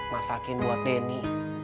masakin buat denny